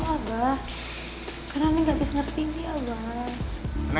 karena neng nggak bisa ngerti sih ya bah